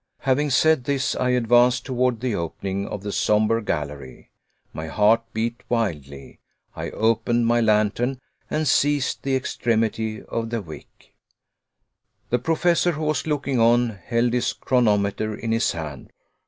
Having said this, I advanced toward the opening of the somber gallery. My heart beat wildly. I opened my lantern and seized the extremity of the wick. The Professor, who was looking on, held his chronometer in his hand.